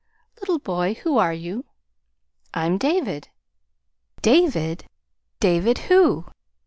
"Little boy, who are you?" "I'm David." "David! David who?